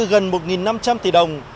gần một năm trăm linh tỷ đồng